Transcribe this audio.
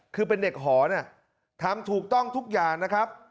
คือเป็นเด็กหอเนี่ยทำถูกต้องทุกอย่างนะครับ